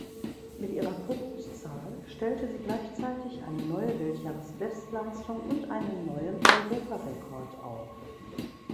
Mit ihrer Punktzahl stellte sie gleichzeitig eine neue Weltjahresbestleistung und einen neuen Europarekord auf.